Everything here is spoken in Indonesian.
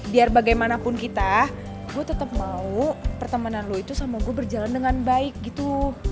biar bagaimanapun kita gue tetap mau pertemanan lo itu sama gue berjalan dengan baik gitu